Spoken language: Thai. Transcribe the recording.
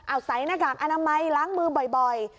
เอาใส่หน้ากากอนามัยล้างมือบ่อย